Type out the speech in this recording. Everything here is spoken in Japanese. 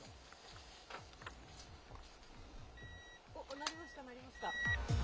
鳴りました、鳴りました。